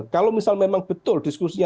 kalau misal memang betul diskusinya